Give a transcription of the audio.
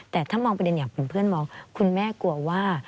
แต่ถ้ามองประเด็นอย่างเป็นเพื่อนมองคุณแม่กลัวว่า